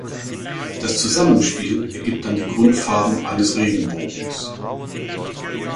Das Zusammenspiel ergibt dann die Grundfarben eines Regenbogens.